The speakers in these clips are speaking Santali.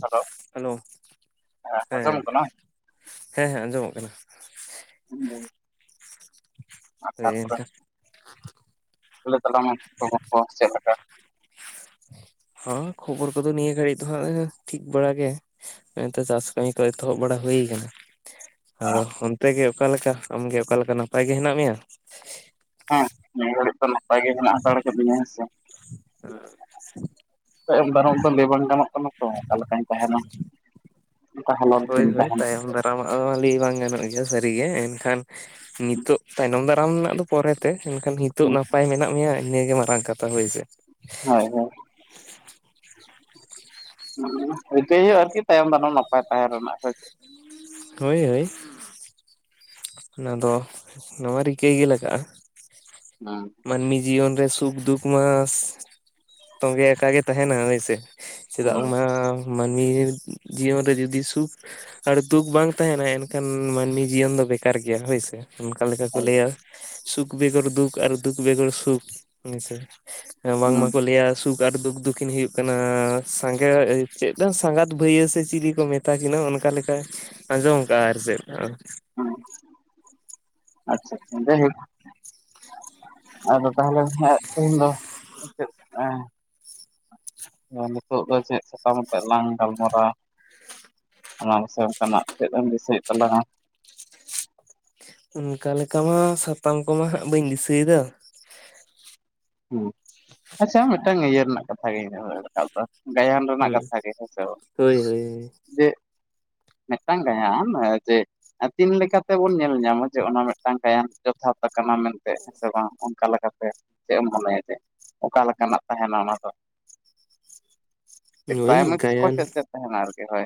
ᱦᱮᱞᱳ ᱦᱮᱞᱳ ᱦᱮᱸ ᱟᱸᱡᱚᱢᱚᱜ ᱠᱟᱱᱟ ᱦᱮᱸ ᱦᱮᱸ ᱟᱸᱡᱚᱢᱚᱜ ᱠᱟᱱᱟ᱾ [unintelligible] ᱦᱩᱭᱮᱱ ᱠᱷᱟᱱ ᱞᱮ ᱛᱟᱲᱟᱢᱟ [unintelligible] ᱪᱮᱫ ᱞᱮᱠᱟ? ᱦᱚᱸ ᱠᱷᱚᱵᱚᱨ ᱠᱚᱫᱚ ᱱᱤᱭᱟᱹ ᱜᱷᱟᱹᱲᱤᱡ ᱫᱚ ᱦᱟᱸᱜ ᱴᱷᱤᱠ ᱵᱟᱲᱟ ᱜᱮ᱾ ᱮᱱᱛᱮ ᱪᱟᱥ ᱠᱟᱹᱢᱤ ᱠᱚ ᱮᱛᱚᱦᱚᱵ ᱵᱟᱲᱟ ᱦᱩᱭ ᱟᱠᱟᱱᱟ᱾ ᱟᱫᱚ ᱚᱱᱛᱮ ᱜᱮ ᱚᱠᱟᱞᱮᱠᱟ ᱟᱢᱜᱮ ᱚᱠᱟᱞᱮᱠᱟ ᱱᱟᱯᱟᱭ ᱜᱮ ᱦᱮᱱᱟᱜ ᱢᱮᱭᱟ? ᱦᱮᱸ ᱱᱤᱭᱟᱹ ᱜᱷᱟᱹᱲᱤᱡ ᱫᱚ ᱱᱟᱯᱟᱭ ᱜᱮ ᱦᱮᱱᱟᱜ ᱦᱟᱛᱟᱲ ᱟᱠᱟᱹᱫᱤᱧᱟ ᱦᱮᱸᱥᱮ [unintelligible] ᱛᱟᱭᱚᱢ ᱫᱟᱨᱟᱢ ᱫᱚ ᱞᱟᱹᱭ ᱵᱟᱝ ᱜᱟᱱᱚᱜ ᱠᱟᱱᱟ ᱛᱚ ᱚᱠᱟ ᱞᱮᱠᱟᱧ ᱛᱟᱦᱮᱱᱟ᱾ ᱛᱟᱦᱚᱞᱮ ᱦᱳᱭ ᱦᱳᱭ ᱛᱟᱭᱚᱢ ᱫᱟᱨᱟᱢᱟᱜ ᱦᱚᱸ ᱞᱟᱹᱭ ᱵᱟᱝ ᱜᱟᱱᱚᱜ ᱜᱮᱭᱟ ᱥᱟᱹᱨᱤᱜᱮ ᱮᱱᱠᱷᱟᱱ ᱱᱤᱛᱳᱜ ᱛᱟᱭᱱᱚᱢ ᱫᱟᱨᱟᱢ ᱨᱮᱱᱟᱜ ᱫᱚ ᱯᱚᱨᱮᱛᱮ ᱮᱱᱠᱷᱟᱱ ᱱᱤᱛᱳᱜ ᱱᱟᱯᱟᱭ ᱢᱮᱱᱟᱜ ᱢᱮᱭᱟ ᱱᱤᱭᱟᱹ ᱜᱮ ᱢᱟᱨᱟᱝ ᱠᱟᱛᱷᱟ ᱦᱳᱭ ᱥᱮ᱾ ᱦᱳᱭ ᱦᱳᱭ ᱨᱤᱠᱟᱹᱭ ᱦᱩᱭᱩᱜᱼᱟ ᱟᱨᱠᱤ ᱛᱟᱭᱚᱢ ᱫᱟᱨᱟᱢ ᱱᱟᱯᱟᱭ ᱛᱟᱦᱮᱸᱱ ᱨᱮᱱᱟᱜ ᱦᱮᱸ ᱥᱮ ᱪᱮᱜ᱾ ᱦᱳᱭ ᱦᱳᱭ ᱚᱱᱟ ᱫᱚ ᱱᱚᱣᱟ ᱨᱤᱠᱟᱹᱭ ᱜᱮ ᱞᱟᱜᱟᱜᱼᱟ᱾ ᱦᱩᱸ ᱢᱟᱹᱱᱢᱤ ᱡᱤᱭᱚᱱ ᱨᱮ ᱥᱩᱠᱫᱩᱠ ᱢᱟ ᱛᱚᱸᱜᱮ ᱟᱠᱟ ᱜᱮ ᱛᱟᱦᱮᱱᱟ ᱦᱳᱭ ᱥᱮ᱾ ᱪᱮᱫᱟᱜ ᱚᱱᱟ ᱢᱟᱹᱱᱢᱤ ᱡᱤᱭᱚᱱ ᱨᱮ ᱡᱩᱫᱤ ᱥᱩᱠ ᱟᱨ ᱫᱩᱠ ᱵᱟᱝ ᱛᱟᱦᱮᱱᱟ ᱮᱱᱠᱷᱟᱱ ᱢᱟᱹᱱᱢᱤ ᱡᱤᱭᱚᱱ ᱫᱚ ᱵᱮᱠᱟᱨ ᱜᱮᱭᱟ, ᱦᱳᱭᱥᱮ ᱚᱱᱠᱟ ᱞᱮᱠᱟ ᱠᱚ ᱦᱩᱸ ᱞᱟᱹᱭᱟ᱾ ᱥᱩᱠ ᱵᱮᱜᱚᱨ ᱫᱩᱠ ᱟᱨ ᱫᱩᱠ ᱵᱮᱜᱚᱨ ᱥᱩᱠᱥ ᱦᱮᱸᱥᱮ ᱮᱸ ᱦᱩᱸ ᱵᱟᱝᱢᱟᱠᱚ ᱞᱟᱹᱭᱟ ᱥᱩᱠ ᱟᱨ ᱫᱩᱠ ᱫᱩᱠᱤᱱ ᱦᱩᱭᱩᱜ ᱠᱟᱱᱟ ᱥᱟᱸᱜᱮ ᱟᱹᱭᱟᱛ ᱪᱮᱜ ᱵᱟᱝ ᱥᱟᱸᱜᱟᱛ ᱵᱷᱟᱹᱭᱟᱹ ᱥᱮ ᱪᱤᱞᱤ ᱠᱚ ᱢᱮᱛᱟ ᱛᱟᱠᱤᱱᱟᱹ ᱚᱱᱠᱟ ᱞᱮᱠᱟᱭ ᱟᱸᱡᱚᱢ ᱟᱠᱟᱜᱼᱟ ᱟᱨ ᱪᱮᱫ? ᱦᱩᱸ ᱟᱪᱪᱷᱟ ᱡᱟᱭᱦᱳᱠ ᱟᱫᱚ ᱛᱟᱦᱞᱮ ᱠᱷᱟᱡ ᱛᱮᱦᱤᱧ ᱫᱚ ᱪᱮᱫ ᱮᱸ ᱫᱚ ᱱᱤᱛᱚᱜ ᱫᱚ ᱪᱮᱫ ᱥᱟᱛᱟᱢ ᱟᱛᱮᱫ ᱞᱟᱝ ᱜᱟᱞᱢᱟᱨᱟᱣᱟ? ᱚᱱᱟ ᱢᱟᱥᱮ ᱚᱱᱠᱟᱱᱟᱜ ᱪᱮᱫ ᱮᱢ ᱫᱤᱥᱟᱹᱭ ᱦᱩᱭᱩᱜ ᱛᱟᱞᱟᱝ-ᱟ᱾ ᱚᱱᱠᱟ ᱞᱮᱠᱟ ᱢᱟ ᱥᱟᱛᱟᱢ ᱠᱚᱢᱟ ᱦᱟᱸᱜ ᱵᱟᱹᱧ ᱫᱤᱥᱟᱹᱭ ᱮᱫᱟ ᱟᱪᱪᱷᱟ ᱢᱤᱫᱴᱟᱝ ᱤᱭᱟᱹ ᱨᱮᱱᱟᱜ ᱠᱟᱛᱷᱟ ᱨᱟᱠᱟᱵ ᱮᱫᱟ ᱜᱟᱭᱟᱱ ᱨᱮᱱᱟᱜ ᱦᱩᱸ ᱠᱟᱛᱷᱟ ᱜᱮ ᱦᱮᱸ ᱥᱮ ᱦᱳᱭ ᱦᱳᱭ ᱡᱮ ᱢᱤᱫᱴᱟᱝ ᱜᱟᱭᱟᱱ ᱡᱮ ᱟᱨ ᱛᱤᱱ ᱞᱮᱠᱟᱛᱮᱵᱚᱱ ᱧᱮᱞ ᱧᱟᱢᱟ ᱡᱮ ᱚᱱᱟ ᱢᱤᱫᱴᱟᱝ ᱜᱟᱭᱟᱱ ᱡᱚᱛᱷᱟᱛ ᱟᱠᱟᱱᱟ ᱢᱮᱱᱛᱮ ᱦᱮᱸ ᱥᱮ ᱵᱟᱝ ᱚᱱᱠᱟ ᱞᱮᱠᱟᱛᱮ ᱪᱮᱫ ᱮᱢ ᱢᱚᱱᱮᱭᱟ ᱡᱮ ᱚᱠᱟ ᱞᱮᱠᱟᱱᱟᱜ ᱛᱟᱦᱮᱱᱟ ᱚᱱᱟ ᱫᱚ ᱦᱳᱭ ᱯᱨᱟᱭᱢᱟᱨᱤ ᱠᱚ ᱜᱟᱭᱟᱱ ᱪᱮᱫ ᱪᱮᱫ ᱛᱟᱦᱮᱱᱟ ᱟᱨᱠᱤ ᱦᱳᱭ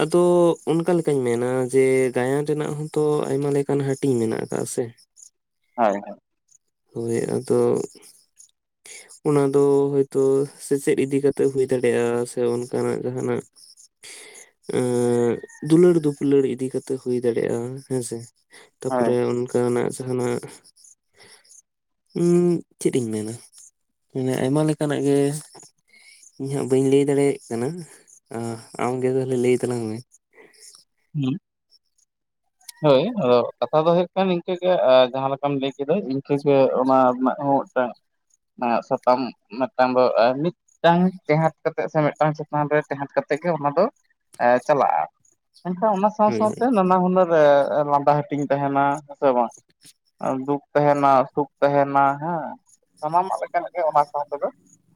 ᱟᱫᱚ ᱚᱱᱠᱟ ᱞᱮᱠᱟᱧ ᱢᱮᱱᱟ ᱡᱮ ᱜᱟᱭᱟᱱ ᱨᱮᱱᱟᱜ ᱦᱚᱸᱛᱚ ᱟᱭᱢᱟ ᱞᱮᱠᱟᱱ ᱦᱟᱹᱴᱤᱧ ᱢᱮᱱᱟᱜ ᱟᱠᱟᱫᱟ ᱥᱮ ᱦᱳᱭ ᱦᱳᱭ ᱦᱳᱭ ᱟᱫᱚ ᱚᱱᱟ ᱫᱚ ᱦᱚᱳᱭᱛᱳ ᱥᱮᱪᱮᱫ ᱤᱫᱤ ᱠᱟᱛᱮᱜ ᱦᱩᱭ ᱫᱟᱲᱮᱭᱟᱜᱼᱟ ᱥᱮ ᱚᱱᱠᱟᱱᱟᱜ ᱡᱟᱦᱟᱸ ᱱᱟᱜ ᱫᱩᱞᱟᱹᱲ ᱫᱩᱯᱞᱟᱹᱲ ᱤᱫᱤ ᱠᱟᱛᱮ ᱦᱩᱭ ᱫᱟᱲᱮᱭᱟᱜᱼᱟ ᱦᱮᱸᱥᱮ ᱦᱳᱭ ᱛᱟᱯᱚᱨᱮ ᱚᱱᱠᱟᱱᱟᱜ ᱡᱟᱦᱟᱸᱱᱟᱜ ᱩᱸ ᱪᱮᱫ ᱤᱧ ᱢᱮᱱᱟ ᱢᱟᱱᱮ ᱟᱭᱢᱟ ᱞᱮᱠᱟᱱᱟᱜ ᱜᱮ ᱤᱧ ᱦᱟᱸᱜ ᱵᱟᱹᱧ ᱞᱟᱹᱭ ᱫᱟᱲᱮᱭᱟᱜ ᱠᱟᱱᱟ ᱟᱢ ᱜᱮ ᱛᱟᱦᱚᱞᱮ ᱞᱟᱹᱭ ᱛᱟᱞᱟᱝ ᱢᱮ ᱦᱮᱸ [inaudible] ᱦᱳᱭ ᱟᱫᱚ ᱠᱟᱛᱷᱟ ᱫᱚ ᱦᱩᱭᱩᱜ ᱠᱟᱱᱟ ᱱᱤᱝᱠᱟᱹᱜᱮ ᱡᱟᱦᱟᱸ ᱞᱮᱠᱟᱢ ᱞᱟᱹᱭ ᱠᱮᱫᱟ ᱤᱱᱠᱟᱹᱜᱮ ᱚᱱᱟ ᱨᱮᱱᱟᱜ ᱦᱚᱸ ᱢᱤᱫᱴᱟᱝ ᱥᱟᱛᱟᱢ ᱢᱤᱫᱴᱟᱝ ᱫᱚ ᱢᱤᱫ ᱢᱤᱫᱴᱟᱝ ᱴᱮᱦᱟᱴ ᱠᱟᱛᱮᱜ ᱥᱮ ᱢᱤᱫᱴᱟᱝ ᱪᱮᱛᱟᱱ ᱨᱮ ᱴᱮᱦᱟᱸᱴ ᱠᱟᱛᱮᱫ ᱜᱮ ᱚᱱᱟ ᱫᱚ ᱪᱟᱞᱟᱜ-ᱟ᱾ ᱢᱮᱱᱠᱷᱟᱱ ᱚᱱᱟ ᱥᱟᱶ ᱦᱳᱭ ᱥᱟᱶᱛᱮ ᱱᱟᱱᱟ ᱦᱩᱱᱟᱹᱨ ᱞᱟᱸᱫᱟ ᱦᱟᱹᱴᱤᱧ ᱛᱟᱦᱮᱸᱱᱟ ᱦᱮᱸ ᱥᱮ ᱵᱟᱝ ᱫᱩᱠ ᱛᱟᱦᱮᱸᱱᱟ ᱥᱩᱠ ᱛᱟᱦᱮᱸᱱᱟ ᱦᱮᱸ ᱥᱟᱱᱟᱢᱟᱜ ᱞᱮᱠᱟᱱᱟᱜ ᱜᱮ ᱚᱱᱟ ᱥᱟᱶ ᱛᱮᱫᱚ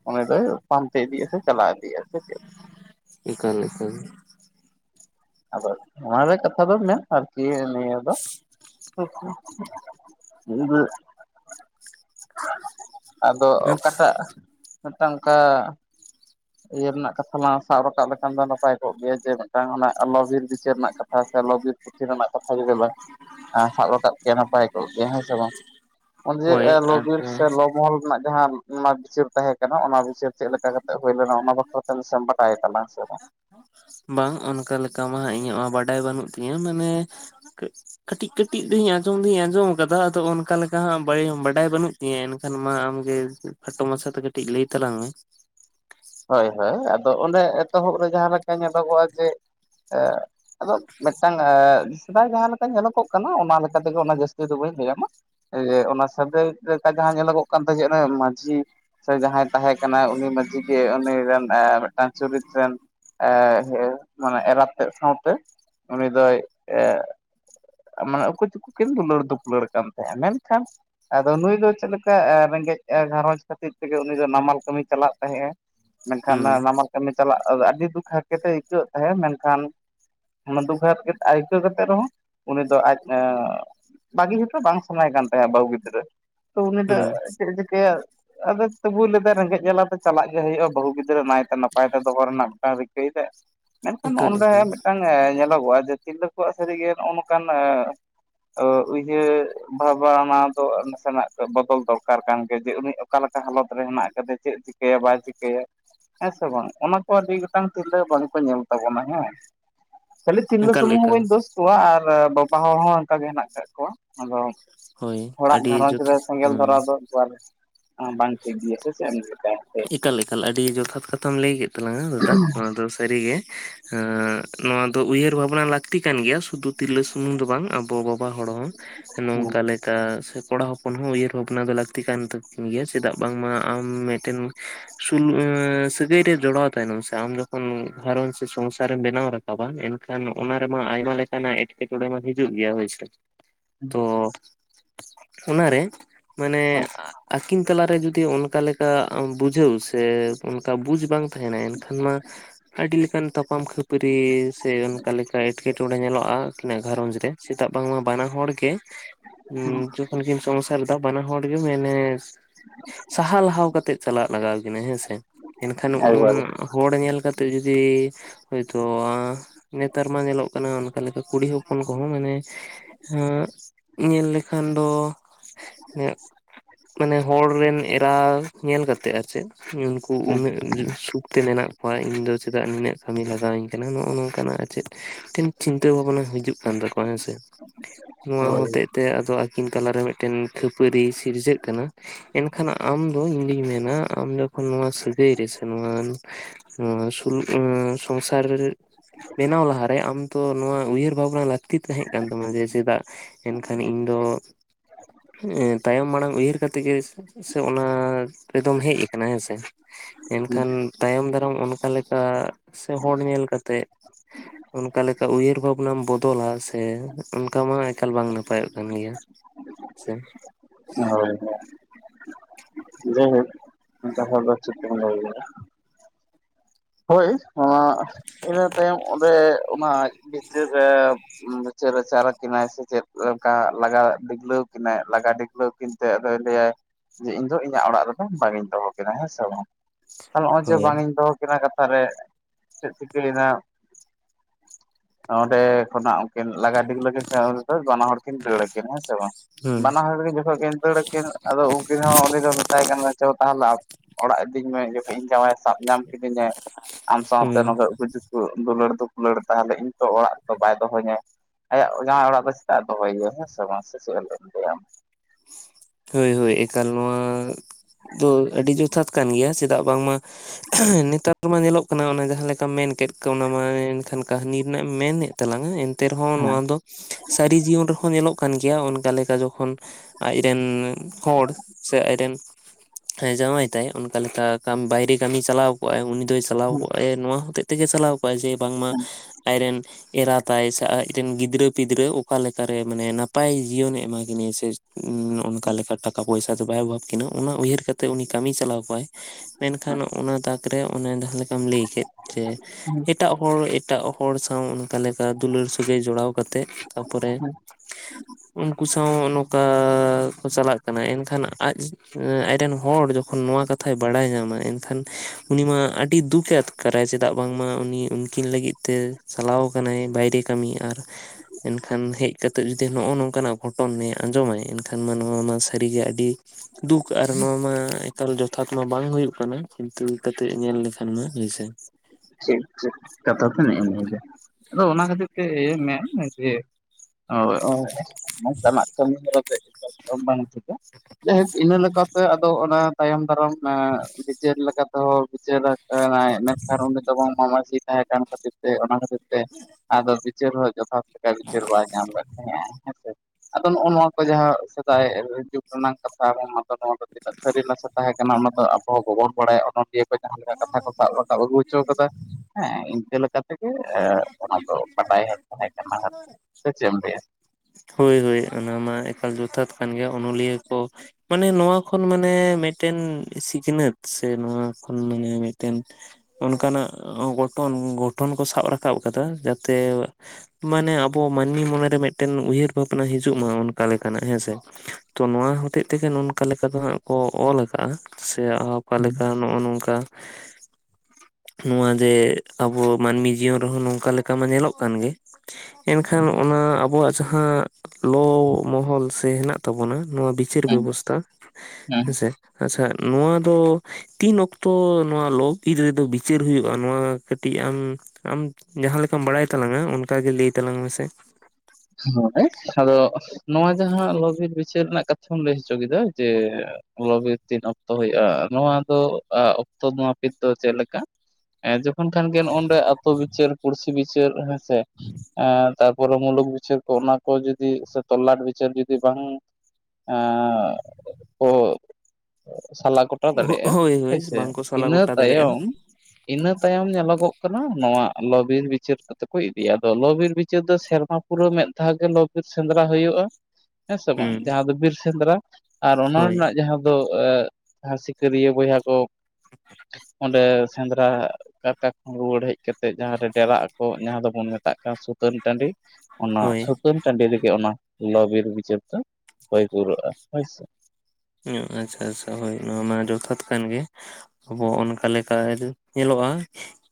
ᱩᱱᱤᱫᱚᱭ ᱯᱟᱱᱛᱮ ᱤᱫᱤᱭᱟ ᱥᱮ ᱪᱟᱞᱟᱣ ᱤᱫᱤᱭᱟ ᱥᱮ ᱪᱮᱫ ᱮᱠᱟᱞ ᱮᱠᱟᱞ ᱟᱫᱚ ᱚᱱᱟ ᱨᱮᱭᱟᱜ ᱠᱟᱛᱷᱟ ᱫᱚ ᱢᱮᱱ ᱟᱨᱠᱤ ᱱᱤᱭᱟᱹ ᱫᱚ ᱟᱫᱚ ᱚᱠᱟᱴᱟᱜ ᱢᱤᱫᱴᱟᱝ ᱠᱟ ᱤᱭᱟᱹ ᱨᱮᱱᱟᱜ ᱠᱟᱛᱷᱟ ᱞᱟᱝ ᱥᱟᱵ ᱨᱟᱠᱟᱵ ᱞᱮᱠᱷᱟᱱ ᱫᱚ ᱱᱟᱯᱟᱭ ᱠᱚᱜ ᱜᱮᱭᱟ ᱡᱮ ᱢᱤᱫᱴᱟᱝ ᱚᱱᱟ ᱞᱚ-ᱵᱤᱨ ᱵᱤᱪᱟᱹᱨ ᱨᱮᱱᱟᱜ ᱠᱟᱛᱷᱟ ᱥᱮ ᱞᱚ-ᱵᱤᱨ ᱯᱩᱛᱷᱤ ᱨᱮᱱᱟᱜ ᱠᱟᱛᱷᱟ ᱡᱩᱫᱤ ᱥᱟᱵ ᱨᱟᱠᱟᱵ ᱠᱮᱭᱟ ᱱᱟᱯᱟᱭ ᱠᱚᱜ ᱜᱮᱭᱟ ᱦᱮᱸ ᱥᱮ ᱵᱟᱝ ᱚᱱ ᱡᱮ ᱦᱳᱭ ᱞᱚ-ᱵᱤᱨ ᱟᱫᱚ ᱥᱮ ᱞᱚ ᱢᱚᱦᱚᱞ ᱨᱮᱱᱟᱜ ᱡᱟᱦᱟᱸ ᱚᱱᱟ ᱵᱤᱪᱟᱹᱨ ᱛᱟᱦᱮᱸ ᱠᱟᱱᱟ ᱚᱱᱟ ᱵᱤᱪᱟᱹᱨ ᱪᱮᱫ ᱞᱮᱠᱟ ᱠᱟᱛᱮᱜ ᱦᱩᱭ ᱞᱮᱱᱟ ᱚᱱᱟ ᱵᱟᱠᱷᱨᱟ ᱛᱮ ᱵᱟᱰᱟᱭ ᱛᱟᱞᱟᱝ ᱥᱮ ᱵᱟᱝ ᱵᱟᱝ ᱚᱱᱠᱟ ᱞᱮᱠᱟ ᱢᱟ ᱤᱧᱟᱹᱜ ᱢᱟ ᱵᱟᱰᱟᱭ ᱵᱟᱹᱱᱩᱜ ᱛᱤᱧᱟᱹ ᱢᱟᱱᱮ ᱠᱟᱹᱴᱤᱡ ᱠᱟᱹᱴᱤᱡ ᱫᱚᱧ ᱟᱸᱡᱚᱢ ᱫᱩᱧ ᱟᱸᱡᱚᱢ ᱟᱠᱟᱫᱟ ᱟᱫᱚ ᱚᱱᱠᱟ ᱞᱮᱠᱟ ᱦᱟᱜ ᱵᱟᱰᱟᱭ ᱵᱟᱹᱱᱩᱜ ᱟᱠᱟᱫᱟ ᱦᱮᱸ ᱮᱱᱠᱷᱟᱱ ᱢᱟ ᱟᱢᱜᱮ ᱠᱷᱟᱴᱚ ᱢᱟᱪᱷᱟᱛᱮ ᱠᱟᱹᱴᱤᱡ ᱞᱟᱹᱭ ᱛᱟᱞᱟᱝ ᱢᱮ ᱦᱳᱭ ᱦᱳᱭ ᱟᱫᱚ ᱚᱱᱮ ᱮᱛᱚᱦᱚᱵ ᱨᱮ ᱡᱟᱦᱟᱸ ᱞᱮᱠᱟ ᱧᱮᱞᱚᱜᱚᱜᱼᱟ ᱡᱮ ᱮ ᱟᱫᱚ ᱢᱤᱫᱴᱟᱝ ᱥᱮᱫᱟᱭ ᱡᱟᱦᱟᱸ ᱞᱮᱠᱟ ᱧᱮᱞᱚᱜᱚᱜ ᱠᱟᱱᱟ ᱚᱱᱟ ᱞᱮᱠᱟ ᱛᱮᱜᱮ ᱚᱱᱟ ᱡᱟᱹᱥᱛᱤ ᱫᱚ ᱵᱟᱹᱧ ᱞᱟᱹᱭ ᱟ ᱚᱱᱟ ᱥᱮᱫᱟᱭ ᱞᱮᱠᱟ ᱡᱟᱦᱟᱸ ᱧᱮᱞᱚᱜᱚᱜ ᱠᱟᱱ ᱛᱟᱦᱮᱸ ᱡᱮ ᱚᱱᱮ ᱢᱟᱹᱡᱷᱤ ᱥᱮ ᱡᱟᱦᱟᱸᱭ ᱛᱟᱦᱮᱸ ᱠᱟᱱᱟ ᱩᱱᱤ ᱢᱟᱹᱡᱷᱤ ᱡᱮ ᱩᱱᱤ ᱨᱮᱱ ᱮ ᱢᱤᱫᱴᱟᱝ ᱪᱩᱨᱤᱛ ᱨᱮᱱ ᱮ ᱤᱭᱟᱹ ᱢᱟᱱᱮ ᱮᱨᱟᱛ ᱛᱮᱜ ᱥᱟᱶᱛᱮ ᱩᱱᱤ ᱫᱚᱭ ᱮ ᱢᱟᱱᱮ ᱩᱠᱩ ᱪᱩᱠᱩ ᱠᱤᱱ ᱫᱩᱞᱟᱹᱲ ᱫᱩᱯᱩᱞᱟᱹᱲ ᱠᱟᱱ ᱛᱟᱦᱮᱸᱱᱟ ᱢᱮᱱᱠᱷᱟᱱ ᱟᱫᱚ ᱱᱩᱭ ᱫᱚ ᱪᱮᱫ ᱞᱮᱠᱟ ᱨᱮᱸᱜᱮᱡ ᱜᱷᱟᱨᱚᱧᱸᱡᱽ ᱠᱷᱟᱹᱛᱤᱨ ᱛᱮᱜᱮ ᱩᱱᱤ ᱫᱚ ᱱᱟᱢᱟᱞ ᱠᱟᱹᱢᱤ ᱪᱟᱞᱟᱜ ᱛᱟᱦᱮᱸᱜᱼᱟ ᱢᱮᱱᱠᱷᱟᱱ ᱦᱩᱸ ᱱᱟᱢᱟᱞ ᱠᱟᱹᱢᱤ ᱪᱟᱞᱟᱜ ᱟᱹᱰᱤ ᱫᱩᱠ ᱦᱟᱨᱠᱮᱛ ᱟᱹᱭᱠᱟᱹᱜ ᱮᱫ ᱛᱟᱦᱮᱸᱫ ᱢᱮᱱᱠᱷᱟᱱ ᱚᱱᱟ ᱫᱩᱠ ᱦᱟᱨᱠᱮᱛ ᱟᱹᱭᱠᱟᱹᱣ ᱠᱟᱛᱮᱜ ᱨᱮᱦᱚᱸ ᱩᱱᱤ ᱫᱚ ᱟᱡ ᱵᱟᱹᱜᱤ ᱦᱚᱴᱚ ᱵᱟᱝ ᱥᱟᱱᱟᱭᱮ ᱠᱟᱱ ᱛᱟᱦᱮᱸᱫ ᱵᱟᱹᱦᱩ ᱜᱤᱫᱽᱨᱟᱹ ᱛᱚ ᱩᱱᱤ ᱫᱚ ᱦᱩᱸ ᱪᱮᱫ ᱪᱤᱠᱟᱹ ᱟᱫᱚᱭ ᱛᱩᱵᱩ ᱞᱮᱫᱟ ᱨᱮᱸᱜᱮᱡ ᱡᱟᱞᱟ ᱫᱚ ᱪᱟᱞᱟᱜ ᱜᱮ ᱦᱩᱭᱩᱜᱼᱟ ᱵᱟᱹᱦᱩ ᱜᱤᱫᱽᱨᱟᱹ ᱱᱟᱭᱛᱮ ᱱᱟᱯᱟᱭ ᱛᱮ ᱫᱚᱦᱚ ᱨᱮᱱᱟᱜ ᱢᱤᱫᱴᱟᱝ ᱨᱤᱠᱟᱹᱭ ᱫᱟᱭ ᱢᱮᱱᱠᱷᱟᱱ ᱮᱠᱟᱞ ᱱᱚᱜ-ᱚᱸᱰᱮ ᱮᱠᱟᱞ ᱢᱤᱫᱴᱟᱝ ᱦᱮᱸ ᱧᱮᱞᱚᱜᱚᱜᱼᱟ ᱡᱮ ᱛᱤᱨᱞᱟᱹ ᱠᱚᱣᱟᱜ ᱥᱟᱹᱨᱤ ᱜᱮ ᱱᱚᱜᱼ ᱱᱝᱠᱟᱱ ᱩᱭᱦᱟᱹᱨ ᱵᱷᱟᱵᱟ-ᱱᱟ ᱫᱚ ᱱᱟᱥᱮᱱᱟᱜ ᱵᱚᱫᱚᱞ ᱫᱚᱨᱠᱟᱨ ᱠᱟᱱ ᱜᱮᱭᱟ ᱡᱮ ᱩᱱᱤ ᱚᱠᱟ ᱞᱮᱠᱟ ᱦᱟᱞᱚᱛ ᱨᱮ ᱦᱮᱱᱟᱜ ᱟᱠᱟᱫᱟᱮ ᱪᱮᱫ ᱪᱤᱠᱟᱹᱭᱟ ᱵᱟᱭ ᱪᱤᱠᱟᱹᱭᱟ ᱦᱮᱸ ᱥᱮ ᱵᱟᱝ ᱚᱱᱟ ᱠᱚ ᱟᱹᱰᱤ ᱜᱚᱴᱟᱝ ᱛᱤᱨᱞᱟᱹ ᱵᱟᱝ ᱠᱚ ᱧᱮᱞ ᱛᱟᱵᱚᱱᱟ ᱦᱮᱸ᱾ ᱠᱷᱟᱹᱞᱤ ᱛᱤᱨᱞᱟᱹ ᱮᱠᱟᱞ ᱥᱩᱢᱩᱝ ᱦᱚᱸ ᱮᱠᱟᱞ ᱵᱟᱹᱧ ᱫᱳᱥ ᱠᱚᱣᱟ, ᱟᱨ ᱵᱟᱵᱟ ᱦᱚᱲ ᱦᱚᱸ ᱚᱱᱠᱟ ᱜᱮ ᱦᱮᱱᱟᱜ ᱟᱠᱟᱫ ᱠᱚᱣᱟ ᱟᱫᱚ ᱦᱳᱭ ᱾ ᱦᱚᱲᱟᱜ ᱟᱹᱰᱤ ᱜᱷᱟᱨᱚᱸᱡᱽ ᱨᱮ ᱡᱚᱛᱷᱟᱛ ᱥᱮᱸᱜᱮᱞ ᱦᱩᱸ ᱫᱷᱚᱨᱟᱣ ᱫᱚ ᱟᱨ ᱵᱟᱝ ᱴᱷᱤᱠ ᱜᱮᱭᱟ ᱥᱮ ᱪᱮ ᱮᱢ [unintelligible] ᱞᱮᱠᱟ ᱛᱮ ᱮᱠᱟᱞ ᱮᱠᱟᱞ ᱟᱹᱰᱤ ᱡᱚᱛᱷᱟᱛ ᱠᱟᱛᱷᱟᱢ ᱞᱟᱹᱭ ᱠᱮᱫ ᱛᱟᱞᱟᱝ-ᱟ ᱫᱟᱫᱟ ᱱᱚᱣᱟ ᱫᱚ ᱥᱟᱹᱨᱤ ᱜᱮ ᱾ ᱱᱚᱣᱟ ᱫᱚ ᱩᱭᱦᱟᱹᱨ ᱵᱷᱟᱵᱱᱟ ᱞᱟᱹᱠᱛᱤ ᱠᱟᱱ ᱜᱮᱭᱟ ᱥᱩᱫᱩ ᱛᱤᱨᱞᱟᱹ ᱥᱩᱢᱩᱝ ᱫᱚ ᱵᱟᱝ ᱟᱵᱚ ᱵᱟᱵᱟ ᱦᱚᱲ ᱦᱚᱸ ᱦᱮᱸ ᱱᱚᱝᱠᱟ ᱞᱮ ᱥᱮ ᱠᱚᱲᱟ ᱦᱚᱯᱚᱱ ᱦᱚᱸ ᱩᱭᱦᱟᱹᱨ ᱵᱷᱟᱵᱽᱱᱟ ᱫᱚ ᱞᱟᱹᱠᱛᱤ ᱠᱟᱱ ᱛᱟᱠᱚ ᱜᱮᱭᱟ, ᱪᱮᱫᱟᱜ ᱵᱟᱝᱢᱟ ᱟᱢ ᱴᱮᱱ [unintelligible] ᱥᱟᱹᱜᱟᱹᱭ ᱨᱮ ᱡᱚᱲᱟᱣ ᱛᱟᱦᱮᱱᱚᱢ ᱥᱮ ᱟᱢ ᱡᱚᱠᱷᱚᱱ ᱜᱷᱟᱨᱚᱸᱡᱽ ᱥᱮ ᱥᱚᱝᱥᱟᱨᱮᱢ ᱵᱮᱱᱟᱣ ᱨᱟᱠᱟ ᱠᱟᱵᱟ ᱮᱱᱠᱷᱟᱱ ᱚᱱᱟ ᱨᱮᱢᱟ ᱟᱭᱢᱟ ᱞᱮᱠᱟᱱᱟᱜ ᱮᱴᱠᱮᱴᱚᱬᱮ ᱢᱟ ᱦᱤᱡᱩᱜ ᱜᱮᱭᱟ ᱦᱳᱭᱥᱮ ᱾ ᱛᱚ ᱚᱱᱟᱨᱮ ᱢᱟᱱᱮ ᱢᱟᱱᱮ ᱟᱠᱤᱱ ᱛᱟᱞᱟ ᱨᱮ ᱡᱩᱫᱤ ᱚᱱᱠᱟ ᱞᱮᱠ ᱵᱩᱡᱷᱟᱹᱣ ᱥᱮ ᱚᱱᱠᱟ ᱵᱩᱡᱽ ᱵᱟᱝ ᱛᱟᱦᱮᱸᱱᱟ ᱮᱱᱠᱷᱟᱱ ᱢᱟ ᱟᱹᱰᱤ ᱞᱮᱠᱟᱱ ᱛᱟᱯᱟᱢ ᱠᱷᱟᱹᱯᱟᱹᱨᱤ ᱥᱮ, ᱚᱱᱠᱟ ᱞᱮᱠᱟ ᱮᱴᱠᱮᱴᱚᱬᱮ ᱧᱮᱞᱚᱜᱼᱟ ᱟᱹᱠᱤᱱᱟᱜ ᱜᱷᱟᱨᱚᱸᱡᱽ ᱨᱮ᱾ ᱪᱮᱫᱟᱜ ᱵᱟᱝᱢᱟ ᱵᱟᱱᱟ ᱦᱚᱲ ᱜᱮ ᱩᱱᱠᱤᱱ ᱥᱚᱝᱥᱟᱨ ᱫᱚ ᱵᱟᱱᱟ ᱦᱚᱲ ᱜᱮ ᱢᱮᱱᱮ ᱥᱟᱦᱟᱣ ᱞᱟᱦᱟᱣ ᱠᱟᱛᱮᱫ ᱪᱟᱞᱟᱜ ᱞᱟᱜᱟᱣ ᱠᱤᱱᱟᱹ ᱦᱮᱸᱥᱮ ᱮᱱᱠᱷᱟᱱ ᱩᱱ ᱮᱠᱵᱟᱨᱮ ᱦᱚᱲ ᱧᱮᱞ ᱠᱟᱛᱮᱫ ᱡᱩᱫᱤ ᱦᱳᱭ ᱛᱚ ᱱᱮᱛᱟᱨ ᱢᱟ ᱧᱮᱞᱚᱜ ᱠᱟᱱᱟ ᱚᱱᱠᱟ ᱞᱮᱠᱟ ᱠᱩᱲᱤ ᱦᱚᱯᱚᱱ ᱠᱚᱦᱚᱸ ᱢᱟᱱᱮ ᱧᱮᱞ ᱞᱮᱠᱷᱟᱱ ᱫᱚ ᱾ ᱢᱟᱱᱮ ᱦᱚᱲ ᱨᱮᱱ ᱮᱨᱟ ᱧᱮᱞ ᱠᱟᱛᱮ ᱟᱨ ᱪᱮᱫ ᱩᱱᱠᱩ ᱩᱱᱟᱹᱜ ᱥᱩᱠ ᱛᱮ ᱢᱮᱱᱟᱜ ᱠᱚᱣᱟ ᱤᱧ ᱫᱚ ᱪᱮᱫᱟᱜ ᱱᱤᱱᱟᱹᱜ ᱠᱟᱹᱢᱤ ᱞᱟᱜᱟᱣᱤᱧ ᱠᱟᱱᱟ ᱱᱚᱜᱼᱚ ᱱᱚᱝᱠᱟᱱᱟᱜ ᱟᱨ ᱪᱮᱫ ᱢᱤᱫᱴᱮᱱ ᱪᱤᱱᱛᱟᱹ ᱵᱷᱟᱵᱱᱟ ᱦᱤᱡᱩᱜ ᱠᱟᱱ ᱛᱟᱠᱚᱣᱟ ᱦᱮᱸᱥᱮ, ᱱᱚᱣᱟ ᱦᱳᱭ ᱦᱚᱛᱮᱡ ᱛᱮ ᱟᱫᱚ ᱟᱹᱠᱤᱱ ᱛᱟᱞᱟ ᱨᱮ ᱢᱤᱫᱴᱮᱱ ᱠᱷᱟᱹᱯᱟᱹᱨᱤ ᱥᱤᱨᱡᱟᱹᱜ ᱠᱟᱱᱟ ᱮᱱᱠᱷᱟᱱ ᱟᱢ ᱤᱧ ᱫᱩᱧ ᱢᱮᱱᱟ ᱟᱢ ᱡᱚᱠᱷᱚᱱ ᱱᱚᱣᱟ ᱥᱟᱹᱜᱟᱹᱭ ᱨᱮ ᱥᱮ ᱱᱚᱣᱟ ᱚ ᱥᱩᱞ, ᱚ ᱥᱚᱝᱥᱟᱨ ᱨᱮ ᱵᱮᱱᱟᱣ ᱞᱟᱦᱟᱨᱮ ᱟᱢ ᱛᱚ ᱱᱚᱣᱟ ᱩᱭᱦᱟᱹᱨ ᱵᱷᱟᱵᱱᱟ ᱞᱟᱠ ᱞᱟᱹᱠᱛᱤ ᱛᱟᱦᱮᱸ ᱠᱟᱱ ᱛᱟᱢᱟ ᱡᱮ ᱪᱮᱫᱟᱜ ᱮᱱᱠᱷᱟᱱ ᱤᱧ ᱫᱚ ᱛᱟᱭᱚᱢ ᱢᱟᱲᱟᱝ ᱩᱭᱦᱟᱹᱨ ᱠᱟᱛᱮ ᱜᱮ ᱥᱮ ᱚᱱᱟ ᱨᱮᱫᱚᱢ ᱦᱮᱡ ᱟᱠᱟᱱᱟ ᱦᱮᱸᱥᱮ ᱮᱱᱠᱷᱟᱱ ᱛᱟᱭᱚᱢ ᱫᱟᱨᱟᱢ ᱚᱱᱠᱟ ᱞᱮᱠᱟ ᱥᱮ ᱦᱚᱲ ᱧᱮᱞ ᱠᱟᱛᱮᱜ ᱚᱱᱠᱟ ᱞᱮᱠᱟ ᱩᱭᱦᱟᱹᱨ ᱵᱷᱟᱵᱱᱟᱢ ᱵᱚᱫ ᱛᱚᱞᱟ ᱥᱮ ᱚᱱᱠᱟ ᱢᱟ ᱮᱠᱟᱞ ᱵᱟᱝ ᱱᱟᱯᱟᱭᱚᱜ ᱠᱟᱱ ᱜᱮᱭᱟ ᱥᱮ ᱾ ᱦᱳᱭ ᱦᱳᱭ ᱡᱟᱭᱦᱳᱠ ᱠᱟᱛᱷᱟ ᱫᱚ ᱴᱷᱤᱠ ᱜᱮᱢ ᱞᱟᱹᱭ ᱠᱟᱫᱟ ᱾ ᱦᱳᱭ ᱚᱱᱟ ᱤᱱᱟᱹ ᱛᱟᱭᱚᱢ ᱚᱸᱰᱮ ᱚᱱᱟ ᱵᱤᱪᱟᱹᱨ ᱨᱮ ᱵᱤᱪᱟᱹᱨ ᱟᱪᱟᱨ ᱟᱠᱤᱱᱟᱭ ᱥᱮ ᱪᱮᱫ ᱚᱱᱠᱟ ᱱᱟᱜ ᱞᱟᱜᱟ ᱰᱤᱜᱞᱟᱹᱣ ᱠᱤᱱᱟᱭ᱾ ᱞᱟᱜᱟ ᱰᱤᱜᱞᱟᱹᱣ ᱠᱤᱱ ᱛᱮ ᱟᱫᱚᱭ ᱞᱟᱹᱭᱟᱭ ᱡᱮ ᱤᱧ ᱫᱚ ᱤᱧᱟᱹᱜ ᱚᱲᱟᱜ ᱨᱮᱫᱚ ᱵᱟᱝᱤᱧ ᱫᱚᱦᱚ ᱠᱤᱱᱟ ᱦᱮᱸ ᱥᱮ ᱵᱟᱝ? ᱟᱨ ᱱᱚᱜᱼᱚᱭ ᱡᱮ ᱦᱳᱭ ᱵᱟᱝ ᱤᱧ ᱫᱚᱦᱚ ᱠᱤᱱᱟ ᱠᱟᱛᱷᱟᱮ ᱪᱮᱫ ᱪᱤᱠᱟᱹᱭᱱᱟ ᱾ ᱚᱱᱚᱸᱰᱮ ᱠᱷᱚᱱᱟᱜ ᱩᱱᱠᱤᱱ ᱞᱟᱜᱟ ᱰᱤᱜᱽᱞᱟᱹᱣ ᱠᱮ ᱠᱷᱟᱱ ᱵᱟᱱᱟ ᱦᱚᱲ ᱠᱤᱱ ᱫᱟᱹᱲᱟ ᱟᱹᱠᱤᱱ ᱦᱮᱸ ᱥᱮ ᱵᱟᱝ? ᱦᱩᱸ ᱢᱟᱱᱟ ᱦᱚᱲ ᱜᱮ ᱡᱚᱷᱡ ᱠᱤᱱ ᱫᱟᱹᱲᱟ ᱩᱱᱠᱤᱱ ᱟᱫᱚ ᱩᱱᱠᱤᱱ ᱦᱚᱸ ᱩᱱᱤ ᱫᱚ ᱢᱮᱛᱟᱭ ᱠᱟᱱᱟ, ᱪᱚ ᱛᱟᱦᱚᱞᱮ ᱚᱲᱟᱜ ᱤᱫᱤᱧ ᱢᱮ ᱡᱩᱫᱤ ᱤᱧ ᱡᱟᱶᱟᱭ ᱥᱟᱵ ᱧᱟᱢ ᱠᱮᱫ ᱡᱟ ᱟᱢ ᱦᱩᱸ ᱥᱟᱶᱛᱮ ᱱᱝᱠᱟ ᱛᱚ ᱩᱠᱩ ᱪᱩᱠᱩ ᱫᱩᱞᱟᱹᱲ ᱫᱩᱯᱩᱞᱟᱹᱲ ᱛᱟᱦᱚᱞᱮ ᱤᱧ ᱛᱚ ᱚᱲᱟᱜ ᱨᱮᱫᱚ ᱵᱟᱭ ᱫᱚᱦᱚᱧᱟᱭ ᱾ ᱟᱭᱟᱜ ᱡᱟᱶᱭᱟᱸᱭ ᱚᱲᱟᱜ ᱫᱚ ᱪᱮᱫᱟᱜ ᱮ ᱫᱚᱦᱚᱭᱮᱭᱟ ᱦᱮᱸ ᱥᱮ ᱵᱟᱝ ᱥᱮ ᱪᱮᱫ ᱞᱟᱹᱭ ᱦᱚᱪᱚᱭᱟᱢ? ᱦᱳᱭ ᱦᱳᱭ, ᱮᱠᱟᱞ ᱱᱚᱣᱟ ᱫᱚ ᱟᱹᱰᱤ ᱡᱚᱛᱷᱟᱛ ᱠᱟᱱ ᱜᱮᱭᱟ ᱪᱮᱫᱟᱜ ᱵᱟᱝᱢᱟ ᱱᱮᱛᱟᱨ ᱢᱟ ᱧᱮᱞᱚᱜ ᱠᱟᱱᱟ ᱚᱱᱟ ᱡᱟᱦᱟᱸ ᱞᱮᱠᱟᱢ ᱢᱮᱱ ᱞᱮᱠᱟᱢ ᱢᱮᱱ ᱠᱮᱫ ᱛᱟᱞᱟᱝ ᱟ ᱢᱮᱠᱷᱟᱱ ᱠᱟᱹᱦᱱᱤ ᱨᱮᱱᱟᱜ ᱞᱟᱹᱭ ᱢᱮ ᱛᱟᱞᱟᱝᱟ ᱮᱱᱛᱮ ᱨᱮᱦᱚᱸ ᱦᱮᱸ ᱱᱚᱣᱟ ᱫᱚ ᱥᱟᱹᱨᱤ ᱡᱤᱭᱚᱱ ᱨᱮᱦᱚᱸ ᱧᱮᱞᱚᱜ ᱠᱟᱱ ᱜᱮᱭᱟ ᱚᱱᱠᱟ ᱞᱮᱠᱟ ᱡᱚᱠᱷᱚᱱ [unintelligible] ᱦᱮᱸ ᱡᱟᱶᱟᱭ ᱛᱟᱭ ᱚᱱᱠᱟ ᱞᱮᱠᱟ [unintelligible] ᱵᱟᱭᱨᱮ ᱠᱟᱹᱢᱤᱭ ᱪᱟᱞᱟᱣ ᱠᱚᱜᱼᱟᱭ ᱩᱱᱤ, ᱫᱚᱭ ᱪᱟᱞᱟᱣ ᱦᱮᱸ ᱠᱚᱜ ᱟᱭ ᱱᱚᱶᱟ ᱦᱚᱛᱮᱡ ᱛᱮᱜᱮ ᱪᱟᱞᱟᱣ ᱠᱚᱜᱼᱟ ᱡᱮ ᱵᱟᱝᱢᱟ ᱦᱮᱸ ᱟᱡ ᱨᱮᱱ ᱮᱨᱟ ᱛᱟᱭᱟᱭ ᱥᱮ ᱟᱡᱨᱮᱱ ᱜᱤᱫᱽᱨᱟᱹ ᱯᱤᱫᱽᱨᱟᱹ ᱚᱠᱟ ᱞᱮᱠᱟ ᱨᱮ ᱢᱟᱱᱮ ᱱᱟᱯᱟᱭ ᱡᱤᱭᱚᱱ ᱮ ᱮᱢᱟ ᱠᱤᱱᱟᱹᱭ? ᱥᱮ ᱚᱱᱠᱟ ᱞᱮᱠᱟ ᱴᱟᱠᱟ ᱯᱚᱭᱥᱟ ᱫᱚ ᱵᱟᱭ ᱚᱵᱷᱟᱵ ᱠᱤᱱᱟ, ᱚᱱᱟ ᱩᱭᱦᱟᱹᱨ ᱠᱟᱛᱮᱜ ᱩᱱᱤ ᱠᱟᱹᱢᱤᱭ ᱪᱟᱞᱟᱣ ᱠᱚᱜᱼᱟᱭ᱾ ᱢᱮᱱᱠᱷᱟᱱ ᱚᱱᱟ ᱛᱟᱠ ᱨᱮ ᱚᱱᱮ ᱡᱟᱦᱟᱸ ᱞᱮᱠᱟ? ᱞᱟᱹᱭ ᱠᱮᱫ ᱡᱮ ᱦᱮᱸ ᱮᱴᱟᱜ ᱦᱚᱲ ᱮᱴᱟᱜ ᱦᱚᱲ ᱥᱟᱶ, ᱚᱠᱟᱞᱮᱠᱟ ᱫᱩᱞᱟᱹᱲ ᱥᱟᱹᱜᱟᱹᱭ ᱡᱚᱲᱟᱣ ᱠᱟᱛᱮᱜ ᱛᱟᱯᱚᱨᱮ ᱦᱮᱸ ᱩᱱᱠᱩ ᱥᱟᱶ ᱱᱚᱝᱠᱟ ᱠᱚ ᱪᱟᱞᱟᱜ ᱠᱟᱱᱟ ᱮᱱᱠᱷᱟᱱ ᱟᱡ [unintelligible] ᱟᱭᱡᱨᱮᱱ ᱦᱚᱲ ᱡᱚᱠᱷᱚᱱ ᱱᱚᱣᱟ ᱠᱟᱛᱷᱟᱭ ᱵᱟᱲᱟᱭ ᱧᱟᱢᱟ ᱮᱱᱠᱷᱟᱱ ᱩᱱᱤ ᱢᱟ ᱟᱹᱰᱤ ᱫᱩᱠ ᱮ [unintelligible] [unintelligible] ᱯᱨᱟᱭ ᱪᱮᱫᱟᱜ ᱵᱟᱝᱢᱟ ᱩᱱᱤ ᱩᱱᱠᱤᱱ ᱞᱟᱹᱜᱤᱫ ᱛᱮ ᱪᱟᱞᱟᱣ ᱟᱠᱟᱱᱟᱭ ᱵᱟᱭᱨᱮ ᱠᱟᱹᱢᱤ ᱟᱨ ᱮᱱᱠᱷᱟᱱ ᱦᱮᱡ ᱠᱟᱛᱮᱜ ᱡᱩᱫᱤ ᱱᱚᱜᱼᱚ ᱱᱚᱝᱠᱟᱱᱟᱼᱜ ᱜᱷᱚᱴᱚᱱᱮ ᱟᱸᱡᱚᱢᱟᱭ [unintelligible] [unintelligible] ᱢᱟ ᱱᱚᱣᱟ ᱢᱟ ᱥᱟᱹᱨᱤ ᱜᱮ ᱟᱹᱰᱤᱻ ᱫᱩᱠᱷ ᱟᱨ ᱱᱚᱣᱟ ᱢᱟ ᱮᱠᱟᱞ ᱡᱚᱛᱷᱟᱛ ᱢᱟ ᱵᱟᱝ ᱦᱩᱭᱩᱜ ᱠᱟᱱᱟ ᱠᱤᱱᱛᱩ, ᱠᱟᱛᱮᱜ ᱧᱮᱞ ᱞᱮᱠᱷᱟᱱ ᱢᱟ ᱦᱳᱭ ᱥᱮ ᱴᱷᱤᱠ ᱴᱷᱤᱠ ᱠᱟᱛᱷᱟ ᱠᱟᱛᱷᱟ ᱫᱚ ᱱᱮᱜᱼᱮ ᱱᱤᱭᱟᱹ ᱟᱫᱚ ᱚᱱᱟ ᱠᱷᱟᱹᱛᱤᱨ ᱛᱮ ᱢᱮᱱ ᱢᱮ ᱡᱮ ᱦᱚᱭ ᱚ ᱱᱚᱝ ᱠᱟᱱᱟᱜ ᱠᱟᱢᱤ ᱦᱚᱨᱟ ᱵᱮ ᱮᱠᱟᱞ ᱛᱮ ᱵᱟᱝ ᱴᱷᱤᱠᱟ ᱡᱟᱭᱦᱳᱠ ᱤᱱᱟᱹ ᱞᱮᱠᱟᱛᱮ ᱟᱫᱚ ᱚᱱᱟ ᱛᱟᱭᱚᱢ ᱫᱟᱨᱟᱢ ᱵᱤᱪᱟᱹᱨ ᱞᱮᱠᱟ ᱛᱮᱦᱚᱸ ᱪᱮᱫᱮᱭ ᱢᱮᱱᱠᱷᱟᱱ ᱩᱱᱤ ᱫᱚ ᱵᱟᱝ ᱢᱟᱹᱡᱷᱤ ᱛᱟᱦᱮᱸ ᱠᱟᱱ ᱠᱷᱟᱹᱛᱤᱨ ᱛᱮ ᱚᱱᱟ ᱠᱷᱟᱹᱛᱤᱨ [unintelligible] ᱟᱫᱚ ᱵᱤᱪᱟᱹᱨ ᱦᱚᱸ ᱡᱚᱛᱷᱟᱛ ᱞᱮᱠᱟ ᱵᱤᱪᱟᱹᱨ ᱵᱟᱭ ᱧᱟᱢ ᱞᱮᱜ ᱛᱟᱦᱮᱸᱜᱼᱟᱭ ᱦᱮᱸᱥᱮ, ᱟᱫᱚ ᱱᱚᱜᱼᱚ ᱱᱚᱣᱟ ᱠᱚ ᱡᱟᱦᱟᱸ ᱥᱮᱫᱟᱭ ᱡᱩᱜᱽ ᱨᱮᱱᱟᱜ ᱠᱟᱛᱷᱟ ᱠᱟᱱᱟ ᱟᱫᱚ ᱱᱚᱣᱟ ᱫᱚ ᱛᱤᱱᱟᱹᱜ ᱥᱟᱹᱨᱤ ᱱᱟᱥᱮ ᱛᱟᱸᱦᱮ ᱠᱟᱱᱟ ᱾ ᱚᱱᱟ ᱢᱟᱛᱚ ᱟᱵᱚ ᱵᱟᱵᱚᱱ ᱵᱟᱲᱟᱭᱟ ᱚᱱᱚᱞᱤᱭᱟᱹ ᱠᱚ ᱡᱟᱦᱟᱸ ᱞᱮᱠᱟ ᱠᱟᱛᱷᱟ ᱠᱚ ᱥᱟᱵ ᱨᱟᱠᱟᱵ ᱟᱹᱜᱩ ᱦᱚᱪᱚ ᱠᱟᱫᱟ ᱦᱮᱸ ᱤᱱᱠᱟᱹ ᱞᱮᱠᱟ ᱛᱮᱜᱮ ᱚᱱᱟ [inaudible] ᱫᱚ ᱵᱟᱰᱟᱭ ᱦᱮᱡ ᱛᱟᱦᱮᱸ ᱠᱟᱱᱟ ᱟᱨᱠᱤ᱾ ᱥᱮ ᱪᱮᱫ ᱮᱢ ᱞᱟᱹᱭᱟ [unintelligible] ᱦᱳᱭ ᱦᱳᱭ ᱚᱱᱟ ᱢᱟ ᱮᱠᱟᱞ ᱡᱚᱛᱷᱟᱛ ᱠᱟᱱ ᱜᱮᱭᱟ ᱚᱱᱚᱞᱤᱭᱟᱹ ᱠᱚ ᱢᱟᱱᱮ ᱱᱚᱶᱟ ᱠᱷᱚᱱ ᱢᱟᱱᱮ ᱢᱤᱫ ᱴᱮᱱ ᱥᱤᱠᱷᱱᱟᱹᱛ ᱥᱮ ᱱᱚᱶᱟ ᱠᱷᱚᱱ ᱢᱟᱱᱮ ᱢᱤᱫ ᱴᱮᱱ ᱚᱱᱠᱟᱱᱟᱼᱜ ᱜᱚᱴᱷᱚᱱ, ᱜᱚᱴᱷᱚᱱ ᱠᱚ ᱥᱟᱵ ᱨᱟᱠᱟᱵ ᱟᱠᱟᱫᱟ ᱡᱟᱛᱮ? ᱢᱟᱱᱮ ᱟᱵᱚ ᱢᱟᱹᱱᱢᱤ ᱢᱚᱱᱮ ᱨᱮ ᱢᱤᱫᱴᱮᱱ ᱩᱭᱦᱟᱹᱨ ᱵᱷᱟᱵᱱᱟ ᱦᱤᱡᱩᱜ ᱢᱟ ᱚᱱᱠᱟ ᱞᱮᱠᱟᱱᱼᱟᱜ ᱦᱮᱸᱥᱮ ᱛᱚ ᱱᱚᱶᱟ ᱦᱚᱛᱮᱡ ᱛᱮᱜᱮ ᱱᱚᱝᱠᱟ ᱞᱮᱠᱟ ᱫᱚ ᱦᱟᱸᱜ ᱠᱚ ᱚᱞ ᱠᱟᱜᱼᱟ ᱥᱮ [unintelligible] ᱠᱟ ᱦᱩᱸ, ᱞᱮᱠᱟ ᱱᱚᱜᱼᱚ ᱱᱚᱝᱠᱟ᱾ ᱱᱚᱶᱟ ᱡᱮ ᱟᱵᱚ ᱢᱟᱹᱱᱢᱤ ᱡᱤᱭᱚᱱ ᱨᱮᱦᱚᱸ ᱱᱚᱝᱠᱟ ᱞᱮᱠᱟ ᱢᱟ ᱧᱮᱞᱚᱜ ᱠᱟᱱ ᱜᱮ᱾ ᱮᱱᱠᱷᱟᱱ ᱚᱱᱟ ᱟᱵᱚᱣᱟᱜ ᱡᱟᱦᱟᱸ ᱞᱚ ᱢᱚᱦᱚᱞ ᱥᱮ ᱦᱮᱱᱟᱜ ᱛᱟᱵᱚᱱᱟ ᱱᱚᱶᱟ ᱵᱤᱪᱟᱹᱨ ᱦᱮᱸ ᱵᱮᱵᱚᱥᱛᱷᱟ ᱦᱮᱸ ᱦᱮᱸᱥᱮ ᱟᱪᱪᱷᱟ ᱱᱚᱶᱟ ᱫᱚ ᱛᱤᱱ ᱚᱠᱛᱚ ᱛᱚ ᱱᱚᱶᱟ ᱞᱚ ᱵᱤᱨ ᱨᱮᱫᱚ ᱵᱤᱪᱟᱹᱨ ᱦᱩᱭᱩᱜᱼᱟ ᱱᱚᱶᱟ ᱠᱟᱹᱴᱤᱡ ᱟᱢ ᱟᱢ ᱡᱟᱦᱟᱸ ᱞᱮᱠᱟᱢ ᱵᱟᱲᱟᱭ ᱛᱟᱞᱟᱝᱼᱟ ᱚᱱᱠᱟᱜᱮ ᱞᱟᱹᱭ ᱛᱟᱞᱟᱝ ᱢᱮᱥᱮ, ᱦᱳᱭ ᱟᱫᱚ ᱱᱚᱶᱟ ᱡᱟᱦᱟᱸ ᱞᱚᱵᱤᱨ ᱵᱤᱪᱟᱹᱨ ᱨᱮᱱᱟᱜ ᱠᱟᱛᱷᱟᱢ ᱞᱟᱹᱭ ᱦᱚᱪᱚ ᱠᱮᱫᱟ ᱡᱮ ᱞᱚᱵᱤᱨ ᱛᱤᱱ ᱚᱠᱛᱚ ᱦᱩᱭᱩᱜᱼᱟ ᱱᱚᱣᱟ ᱫᱚ ᱚᱠᱛᱚ ᱱᱟᱯᱤᱛ ᱫᱚ ᱪᱮᱜ ᱞᱮᱠᱟ? [unintelligible] ᱡᱚᱠᱷᱚᱱ ᱠᱷᱟᱱ ᱜᱮ ᱱᱚᱜᱚᱱᱰᱮᱸ ᱟᱛᱳ ᱵᱤᱪᱟᱹᱨ ᱯᱩᱲᱥᱤ ᱵᱤᱪᱟᱹᱨ ᱦᱮᱸᱥᱮ ᱛᱟᱯᱚᱨᱮ ᱢᱩᱞᱩᱠ ᱵᱤᱪ ᱵᱤᱪᱟᱹᱨ ᱠᱚ ᱮᱢᱟ ᱠᱚ ᱡᱩᱫᱤ ᱥᱮ ᱛᱚᱞᱟᱴ ᱵᱤᱪᱟᱹᱨ ᱡᱩᱫᱤ ᱵᱟᱝ [unintelligible] ᱥᱟᱞᱟ ᱜᱟᱴ᱾ [unintelligible] ᱜᱷᱚᱴᱟᱣ ᱫᱟᱲᱮᱭᱟᱜᱼᱟ ᱦᱳᱭ ᱦᱳᱭ ᱦᱮᱸᱥᱮ ᱵᱟᱝᱠᱚ ᱥᱟᱞᱟ ᱤᱱᱟᱹ ᱜᱚᱴᱟ ᱫᱟᱲᱮᱭᱟᱜᱼᱟ ᱛᱟᱭᱚᱢ ᱤᱱᱟᱹ ᱛᱟᱭᱚᱢ ᱧᱮᱞᱚᱜᱼᱚᱜ ᱠᱟᱱᱟ ᱱᱚᱶᱟ ᱞᱚᱵᱤᱨ ᱵᱤᱪᱟᱹᱨ ᱠᱟᱛᱮ ᱠᱚ ᱤᱫᱤᱭᱟ ᱟᱫᱚ ᱞᱚᱵᱤᱨ ᱵᱤᱪᱟᱹᱨ ᱫᱚ ᱥᱮᱨᱢᱟ ᱯᱩᱨᱟᱹ ᱢᱮᱫ ᱫᱷᱟᱣ ᱜᱮ ᱞᱚᱵᱤᱨ ᱥᱮᱸᱫᱽᱨᱟ ᱦᱩᱭᱩᱜᱼᱟ ᱦᱮᱸ ᱥᱮ ᱵᱟᱝ ᱦᱩᱸ ᱡᱟᱦᱟᱸ ᱫᱚ ᱵᱤᱨ ᱥᱮᱸᱫᱽᱨᱟ ᱟᱨ ᱚᱱᱟ ᱦᱳᱭ ᱨᱮᱱᱟᱜ ᱡᱟᱦᱟᱸ ᱫᱚ ᱡᱟᱦᱟᱸ ᱥᱤᱠᱟᱹᱨᱤᱭᱟᱹ ᱵᱚᱭᱦᱟ ᱠᱚ ᱚᱸᱰᱮ? ᱥᱮᱸᱫᱽᱨᱟ ᱨᱟᱛᱟ ᱠᱷᱚᱱ ᱨᱩᱣᱟᱹᱲ ᱦᱮᱡ ᱠᱟᱛᱮ ᱡᱟᱦᱟᱸ ᱨᱮ ᱰᱮᱨᱟᱜ ᱟᱠᱚ ᱠᱚᱜ ᱡᱟᱦᱟᱸ ᱫᱚᱵᱚᱱ ᱢᱮᱛᱟᱜ ᱠᱟᱱ ᱥᱩᱛᱟᱹᱱ ᱴᱟᱺᱰᱤ ᱚᱱᱟ ᱦᱳᱭ ᱥᱩᱛᱟᱹᱱ ᱴᱟᱺᱰᱤ ᱨᱮᱜᱮ ᱚᱱᱟ ᱞᱚ ᱵᱤᱨ ᱵᱤᱪᱟᱹᱨ ᱫᱚ ᱦᱩᱭ ᱯᱩᱨᱟᱹᱜ-ᱟ ᱦᱳᱭ ᱥᱮ ᱧᱚᱸᱜ ᱟᱪᱪᱷᱟ ᱟᱪᱪᱷᱟ ᱦᱳᱭ ᱱᱚᱣᱟ ᱢᱟ ᱡᱚᱛᱷᱟᱛ ᱠᱟᱱ ᱜᱮ ᱟᱵᱚ ᱚᱱᱠᱟ ᱞᱮᱠᱟ ᱧᱮᱞᱚᱜ-ᱟ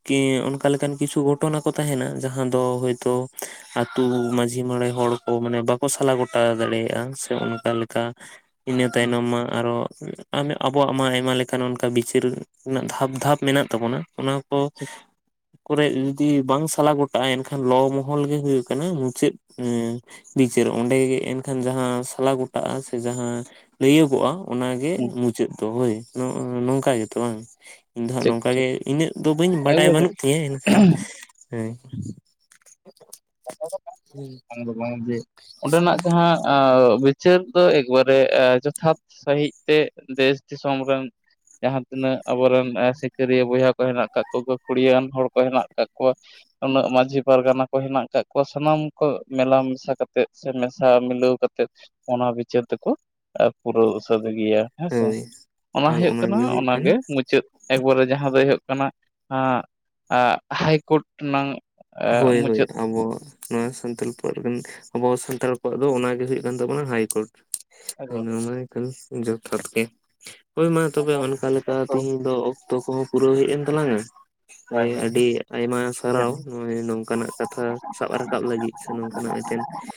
ᱠᱤ ᱚᱱᱠᱟ ᱞᱮᱠᱟᱱ ᱠᱤᱪᱷᱩ ᱜᱷᱚᱴᱚᱱᱟ ᱠᱚ ᱛᱟᱦᱮᱱᱟ ᱡᱟᱦᱟᱸ ᱫᱚ ᱦᱳᱭᱛᱳ ᱟᱹᱛᱩ ᱢᱟᱹᱡᱷᱤ ᱢᱚᱬᱮ ᱦᱚᱲ ᱠᱚ ᱢᱟᱱᱮ ᱵᱟᱠᱚ ᱥᱟᱞᱟ ᱜᱚᱴᱟ ᱫᱟᱲᱮᱭᱟᱜ-ᱟ ᱥᱮ ᱚᱱᱠᱟ ᱞᱮᱠᱟ ᱤᱱᱟᱹ ᱛᱟᱭᱱᱚᱢ ᱢᱟ ᱟᱨᱚ ᱟᱢᱮ ᱟᱵᱚᱣᱟᱜ ᱢᱟ ᱟᱭᱢᱟ ᱞᱮᱠᱟᱱ ᱚᱱᱠᱟ ᱵᱤᱪᱟᱹᱨ ᱨᱮᱱᱟᱜ ᱫᱷᱟᱯ ᱫᱷᱟᱯ ᱢᱮᱱᱟᱜ ᱛᱟᱵᱚᱱᱟ ᱚᱱᱟ ᱠᱚᱵ ᱠᱚᱨᱮᱜ ᱡᱩᱫᱤ ᱵᱟᱝ ᱥᱟᱞᱟ ᱜᱚᱴᱟᱜᱼᱟ ᱮᱱᱠᱷᱟᱱ ᱞᱚ ᱢᱚᱦᱚᱞ ᱜᱮ ᱦᱩᱭᱩᱜ ᱠᱟᱱᱟ ᱢᱩᱪᱟᱹᱫ ᱵᱤᱪᱟᱹᱨ ᱚᱸᱰᱮ ᱜᱮ ᱮᱱᱠᱷᱟᱱ ᱡᱟᱦᱟᱸ ᱥᱟᱞᱟ ᱜᱚᱴᱟᱜ-ᱟ ᱥᱮ ᱡᱟᱦᱟᱸ ᱞᱟᱹᱭᱟᱹᱜᱚᱜ-ᱟ ᱚᱱᱟ ᱜᱮ ᱢᱩᱪᱟᱹᱫ ᱫᱚ ᱦᱳᱭ ᱱᱚᱝᱠᱟ ᱜᱮᱛᱚ ᱵᱟᱝ ᱤᱧ ᱫᱚ ᱦᱟᱸᱜ ᱴᱷᱤᱠ ᱱᱚᱝᱠᱟ ᱜᱮ ᱴᱷᱤᱠ ᱤᱱᱟᱹᱜ ᱫᱚ ᱵᱟᱹᱧ ᱵᱟᱰᱟᱭ ᱮᱠᱵᱟᱨᱮ ᱵᱟᱹᱱᱩᱜ ᱛᱤᱧᱟᱹ ᱮᱱᱠᱷᱟᱱ ᱦᱮᱸ ᱠᱟᱱ ᱫᱚ ᱵᱟᱝ ᱡᱮ ᱚᱸᱰᱮᱱᱟᱜ ᱫᱚ ᱦᱟᱸᱜ ᱟᱻ ᱵᱤᱪᱟᱹᱨ ᱫᱚ ᱮᱠᱵᱟᱨᱮ ᱡᱚᱛᱷᱟᱛ ᱥᱟᱺᱦᱤᱡ ᱛᱮ ᱫᱮᱥ ᱫᱤᱥᱚᱢ ᱨᱮᱱ ᱡᱟᱦᱟᱸ ᱛᱤᱱᱟᱹᱜ ᱟᱵᱚ ᱨᱮᱱ ᱮᱸ ᱥᱤᱠᱟᱹᱨᱤᱭᱟᱹ ᱵᱚᱭᱦᱟ ᱠᱚ ᱦᱮᱱᱟᱜ ᱠᱟᱫ ᱠᱚ ᱜᱟᱹᱠᱷᱩᱲᱤᱭᱟᱹᱣᱟᱱ ᱦᱚᱲ ᱠᱚ ᱦᱮᱱᱟᱜ ᱠᱟᱫ ᱠᱚ᱾ ᱩᱱᱟᱹᱜ ᱢᱟᱹᱡᱷᱤ ᱯᱟᱨᱜᱟᱱᱟ ᱠᱚ ᱦᱮᱱᱟᱜ ᱠᱟᱜ ᱠᱚ ᱥᱟᱱᱟᱢ ᱠᱚ ᱢᱮᱞᱟ ᱢᱮᱥᱟ ᱠᱟᱛᱮᱫ ᱥᱮ ᱢᱮᱥᱟ ᱢᱤᱞᱟᱹᱣ ᱠᱟᱛᱮᱫ᱾ ᱚᱱᱟ ᱵᱤᱪᱟᱹᱨ ᱛᱮᱠᱚ ᱯᱩᱨᱟᱹᱣ᱾ ᱦᱮᱸ ᱥᱮ ᱦᱳᱭ ᱚᱱᱟ ᱟᱨ ᱦᱩᱭᱩᱜ ᱚᱱᱟᱜᱮ ᱠᱟᱱᱟ ᱦᱩᱭᱩᱜ ᱚᱱᱟ ᱜᱮ ᱢᱩᱪᱟᱹᱫ ᱮᱠᱵᱟᱨᱮ ᱡᱟᱦᱟᱸ ᱫᱚᱭ ᱦᱩᱭᱩᱜ ᱠᱟᱱᱟ ᱟᱸᱜ ᱟᱜ ᱦᱟᱭᱠᱳᱴ ᱨᱮᱱᱟᱝ ᱮᱜ ᱢᱩᱪᱟᱹᱫ [unintelligible] ᱟᱵᱚᱣᱟᱜ ᱱᱚᱣᱟ ᱥᱟᱱᱛᱟᱲ ᱯᱟᱨᱜᱟᱱᱟ ᱟᱵᱚ ᱥᱟᱱᱛᱟᱲ ᱠᱚᱣᱟᱜ ᱫᱚ ᱚᱱᱟ ᱜᱮ ᱦᱩᱭᱩᱜ ᱠᱟᱱ ᱛᱟᱵᱚᱱᱟ ᱦᱟᱭᱠᱳᱴ ᱛᱟᱦᱚᱞᱮ ᱮᱱᱟᱢᱟ ᱦᱮᱸ ᱠᱟᱱ ᱡᱚᱛᱷᱟᱛ ᱜᱮ ᱦᱳᱭ ᱢᱟ ᱛᱚᱵᱮ ᱚᱱᱠᱟ ᱞᱮᱠᱟ ᱚᱠᱛᱚ ᱛᱤᱦᱤᱧ ᱫᱚ ᱚᱠ ᱚᱠᱛᱚ ᱠᱚᱦᱚᱸ ᱯᱩᱨᱟᱹᱣ ᱦᱮᱡ ᱮᱱ ᱛᱟᱞᱟᱝ-ᱟ ᱟᱹᱰᱤ ᱟᱭᱢᱟ ᱥᱟᱨᱦᱟᱣ ᱦᱳᱭ ᱱᱚᱝᱠᱟᱱᱟᱜ ᱠᱟᱛᱷᱟ ᱥᱟᱵ ᱨᱟᱠᱟᱵ ᱞᱟᱹᱜᱤᱫ ᱥᱮ ᱱᱚᱝᱠᱟᱱᱟᱜ ᱢᱤᱫᱴᱮᱱ